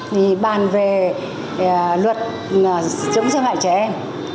thì bàn về luật chống xâm hại trẻ em